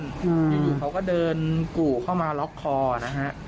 อยู่เขาก็เดินกู่เข้ามาล็อกคอนะฮะ